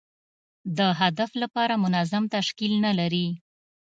د هدف لپاره منظم تشکیل نه لري.